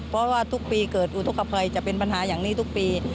เพราะว่าทุกปีเกิดอุทธกภัยจะเป็นปัญหาอย่างนี้ทุกปี